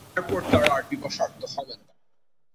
যার পর তারা তার পিপাসার্ত হবেন না।